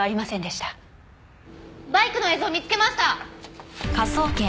バイクの映像見つけました！